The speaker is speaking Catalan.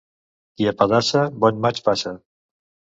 Qui apedaça, bon maig passa.